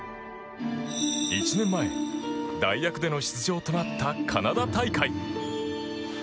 １年前、代役での出場となったカナダ大会。